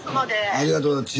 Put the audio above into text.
ありがとうございます。